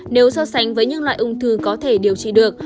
nếu so sánh với những loại ung thư có thể điều trị được